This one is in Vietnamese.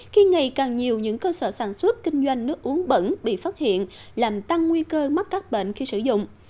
khi ngày càng nhiều những cơ sở sản xuất kinh doanh nước uống bẩn bị phát hiện làm tăng nguy cơ mắc các bệnh khi sử dụng